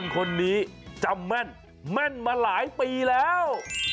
คนนี้จำแม่นแม่นมาหลายปีแล้ว